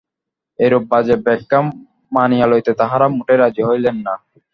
এরূপ বাজে ব্যাখ্যা মানিয়া লইতে তাঁহারা মোটেই রাজী হইলেন না।